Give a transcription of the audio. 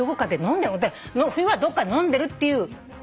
冬はどこかで飲んでるっていう。